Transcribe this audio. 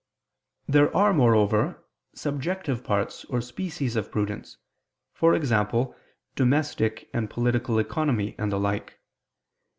There are, moreover, subjective parts or species of prudence, e.g. domestic and political economy, and the like.